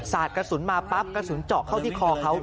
กระสุนมาปั๊บกระสุนเจาะเข้าที่คอเขา